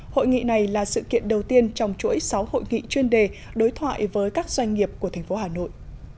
hội nghị này là sự kiện đầu tiên trong chuỗi sáu hội nghị chuyên đề đối thoại với các doanh nghiệp của thành phố hà nội